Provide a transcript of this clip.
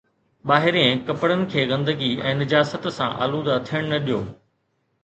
ٻاهرين ڪپڙن کي گندگي ۽ نجاست سان آلوده ٿيڻ نه ڏيو